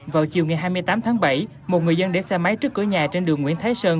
vào chiều ngày hai mươi tám tháng bảy một người dân để xe máy trước cửa nhà trên đường nguyễn thái sơn